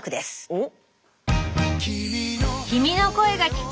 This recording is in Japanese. おっ？